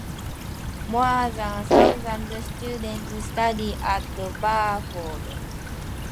More than a thousand students study at Burford.